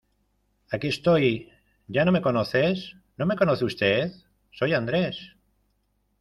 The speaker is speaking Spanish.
¡Aquí estoy! ¿Ya no me conoces? ¿No me conoce usted? soy andrés.